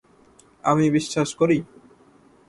আমি বিশ্বাস করি।